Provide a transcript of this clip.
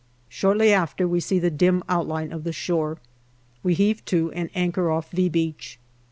Shortly after, we see the dim outline of the shore. We heave to and anchor off " V " Beach.